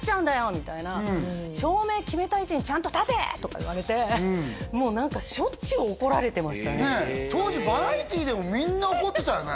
みたいな照明決めた位置にちゃんと立て！とか言われてもう何かねえ当時バラエティーでもみんな怒ってたよね